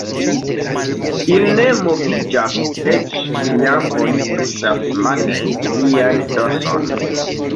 Ili ne moviĝas eĉ kiam oni tuŝas mane ilian dorson.